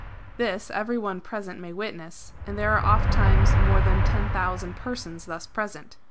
This every one present may witness, and there are ofttimes more than 10,000 persons thus present.